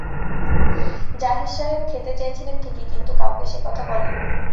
জাহিদ সাহেব খেতে চেয়েছিলেন ঠিকই, কিন্তু কাউকে সে-কথা বলেন নি।